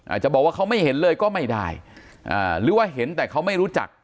อาจจะบอกว่าเขาไม่เห็นเลยก็ไม่ได้หรือว่าเห็นแต่เขาไม่รู้จัก